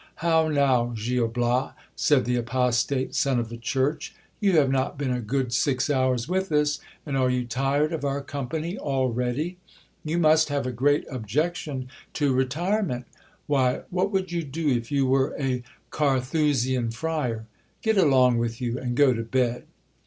How now, Gil Bias, said the apostate son of the church, you have not been a good six hours with us, and are you tired of our company already ? You must have a great objection to retirement. Why, what would you do if you were a Carthu sian friar ? Get along with you, and go to bed.